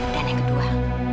dan yang kedua